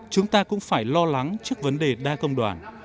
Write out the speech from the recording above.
chúng ta cũng phải lo lắng trước vấn đề đa công đoàn